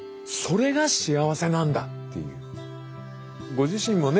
ご自身もね